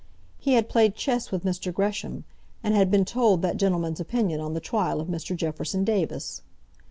He had played chess with Mr. Gresham, and had been told that gentleman's opinion on the trial of Mr. Jefferson Davis.